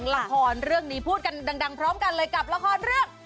ละครเรื่องนี้พูดกันดังพร้อมกันเลยกับละครเรื่อง